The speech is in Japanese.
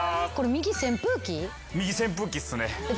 右扇風機っすね。